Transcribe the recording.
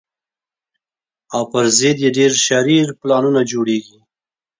او پر ضد یې ډېر شرير پلانونه جوړېږي